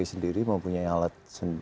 sendiri mempunyai alat